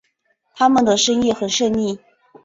他们的生意很顺利